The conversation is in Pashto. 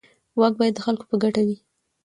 واک باید د خلکو په ګټه وي.